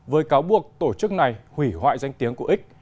với cáo buộc tổ chức này hủy hoại danh tiếng của x